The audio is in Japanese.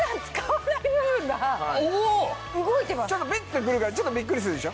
ちょっとビッ！ってくるからちょっとビックリするでしょ。